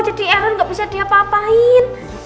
jadi ellen gak bisa diapa apain